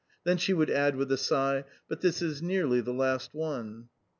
Then she would add with a sigh: "But this is nearly the last one."